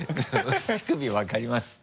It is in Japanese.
乳首分かります？